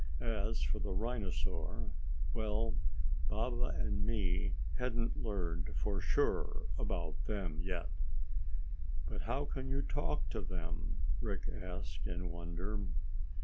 As for the rhinosaur well, Baba and me hadn't learned for sure about them, yet." "But how can you talk to them?" Rick asked in wonder.